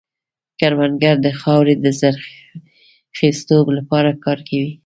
کروندګر د خاورې د زرخېزتوب لپاره کار کوي